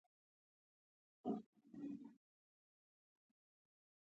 ځغاسته د ژوند مثبت انځور دی